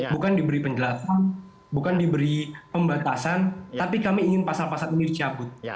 bukan diberi penjelasan bukan diberi pembatasan tapi kami ingin pasal pasal ini dicabut